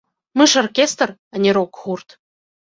Мы ж аркестр, а не рок-гурт.